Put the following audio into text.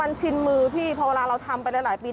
มันชินมือพี่พอเวลาเราทำไปหลายปี